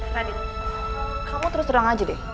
radin kamu terus terang aja deh